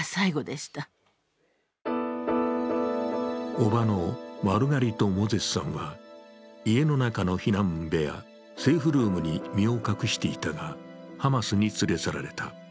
おばのマルガリト・モゼスさんは、家の中の避難部屋、セーフルームに身を隠していたが、ハマスに連れ去られた。